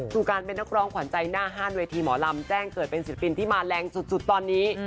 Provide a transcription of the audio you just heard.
สู่การเป็นนักร้องขวัญใจหน้าห้านเวทีหมอลำแจ้งเกิดเป็นศิลปินที่มาแรงสุดตอนนี้